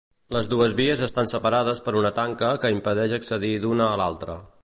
Les dues vies estan separades per una tanca que impedeix accedir d'una a l'altra.